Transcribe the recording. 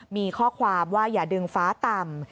มีข้อความว่าอย่าดึงฟ้าต่ำ